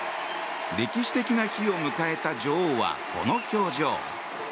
歴史的な日を迎えた女王はこの表情。